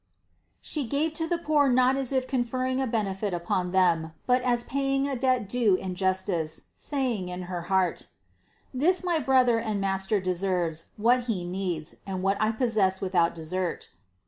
She gave to the poor not as if conferring a benefit upon them, but as paying a debt due in justice, saying in her heart: this my brother and master deserves what he needs and what I possess without desert.